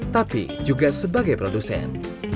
tapi juga sebagai produsen